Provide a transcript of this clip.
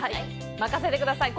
任せてください。